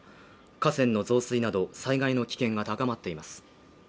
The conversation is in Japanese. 河川の増水など、災害の危険が高まっています。